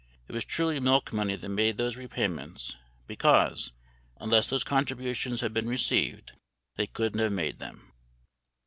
[I]t was truly milk money that made those repay ments because, unless those contributions had been received, they couldn't have made them.